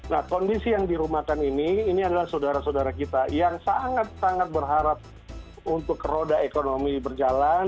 nah kondisi yang dirumahkan ini ini adalah saudara saudara kita yang sangat sangat berharap untuk roda ekonomi berjalan